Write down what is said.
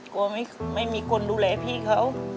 กลัวไม่มีคนดูแลพี่เขา